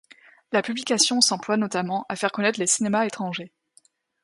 La publication s'emploie notamment à faire connaître les cinémas étrangers.